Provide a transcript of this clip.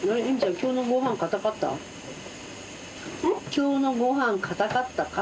今日のご飯かたかったか？